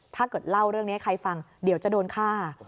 ถ้าเกิดเล่าเรื่องนี้ให้ใครฟังเดี๋ยวจะโดนฆ่า